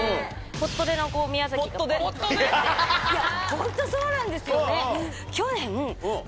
ホントそうなんですよね。